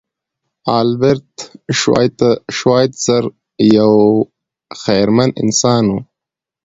البرټ شوایتزر یو خیرمن انسان و.